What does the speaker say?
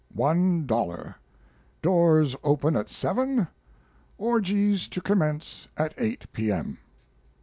ONE DOLLAR Doors open at 7 Orgies to commence at 8 P. M.